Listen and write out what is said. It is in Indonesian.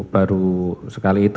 baru sekali itu